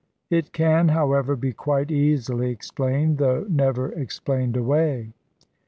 It can, however, be quite easily explained, though never explained away.